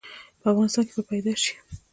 په افغانستان کې به پيدا ش؟